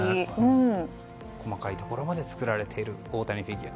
細かいところまで作られている大谷フィギュア。